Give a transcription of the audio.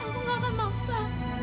aku gak akan maksa